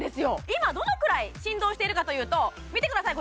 今どのくらい振動してるかというと見てください